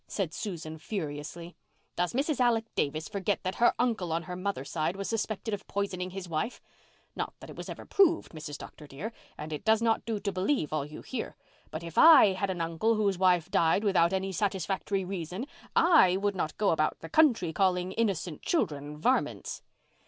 said Susan furiously. "Does Mrs. Alec Davis forget that her uncle on her mother's side was suspected of poisoning his wife? Not that it was ever proved, Mrs. Dr. dear, and it does not do to believe all you hear. But if I had an uncle whose wife died without any satisfactory reason, I would not go about the country calling innocent children varmints."